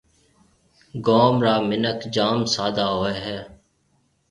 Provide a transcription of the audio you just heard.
گوم را مِنک جام سادھ ھوئيَ ھيََََ